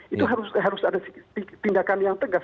itu harus ada tindakan yang tegas